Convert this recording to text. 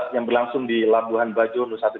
yang berlangsung di labuhan bajo